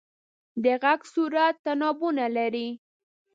د غږ صورت تنابونه لري.